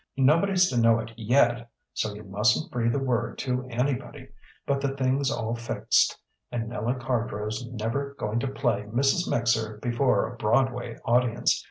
Nobody's to know it yet, so you mustn't breathe a word to anybody; but the thing's all fixed, and Nella Cardrow's never going to play 'Mrs. Mixer' before a Broadway audience.